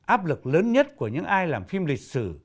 áp lực lớn nhất của những ai làm phim lịch sử